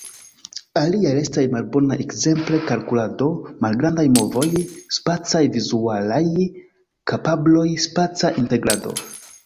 Aliaj restas malbonaj, ekzemple kalkulado, malgrandaj movoj, spacaj-vizualaj kapabloj, spaca integrado.